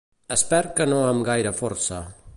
Esper que no amb gaire força.